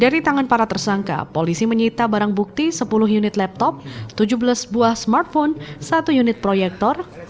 dari tangan para tersangka polisi menyita barang bukti sepuluh unit laptop tujuh belas buah smartphone satu unit proyektor